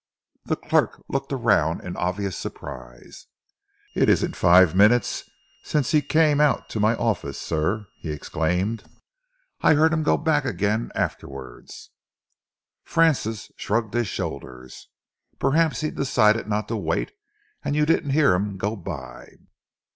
The clerk looked around in obvious surprise. "It isn't five minutes since he came out to my office, sir!" he exclaimed. "I heard him go back again afterwards." Francis shrugged his shoulders. "Perhaps he decided not to wait and you didn't hear him go by."